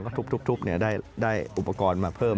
ทุกได้อุปกรณ์มาเพิ่ม